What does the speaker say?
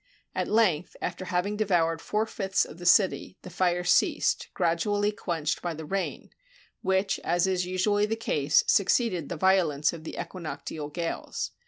At length, after having devoured four fifths of the city, the fire ceased, gradually quenched by the rain, which, as is usually the case, succeeded the violence of the equinoctial gales.